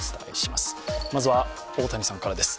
まずは大谷さんからです。